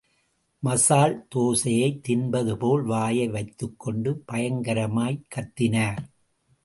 மசால் தோசையை திண்பது போல் வாயை வைத்துக்கொண்டு பயங்கரமாய்க் கத்தினார்.